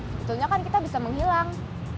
sebetulnya kan kita bisa menghilang